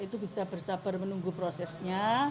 itu bisa bersabar menunggu prosesnya